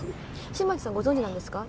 新町さんご存じなんですか？